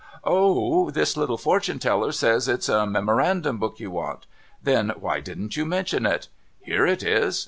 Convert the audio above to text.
' O ! This little fortune teller says it's a memorandum book you want. Then why didn't you mention it ? Here it is.